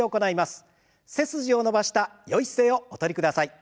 背筋を伸ばしたよい姿勢をお取りください。